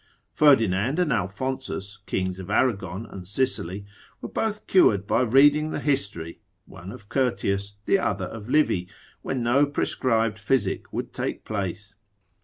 Ferdinand and Alphonsus, kings of Arragon and Sicily, were both cured by reading the history, one of Curtius, the other of Livy, when no prescribed physic would take place.